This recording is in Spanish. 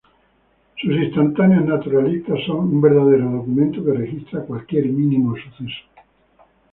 Sus instantáneas naturalistas son un verdadero documento que registra cualquier mínimo suceso.